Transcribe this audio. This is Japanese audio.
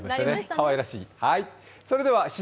かわいらしい。